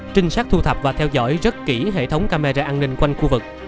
trinh sát thu thập và theo dõi rất kỹ hệ thống camera an ninh quanh khu vực